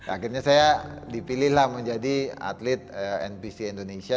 akhirnya saya dipilih lah menjadi atlet npc indonesia